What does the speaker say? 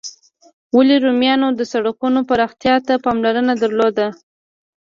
ولي رومیانو د سړکونو پراختیا ته پاملرنه درلوده؟